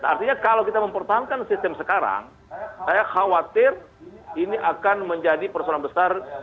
artinya kalau kita mempertahankan sistem sekarang saya khawatir ini akan menjadi persoalan besar